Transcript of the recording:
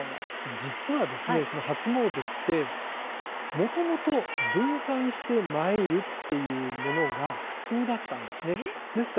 実は初詣ってもともと分散して参るというものが普通だったんですね。